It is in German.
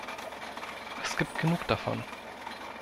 Es gibt genug davon.